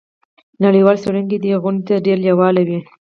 نړیوال څیړونکي دې غونډې ته ډیر لیواله وي.